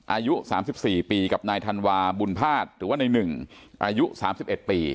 อายุสามสิบสี่ปีกับนายธันวาบุญภาษณ์หรือว่าในหนึ่งอายุสามสิบเอ็ดปี